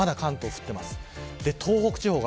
まだ関東、降っています。